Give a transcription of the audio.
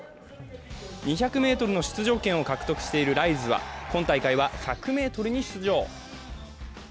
２００ｍの出場権を獲得しているライルズは今大会は１００ｍに出場。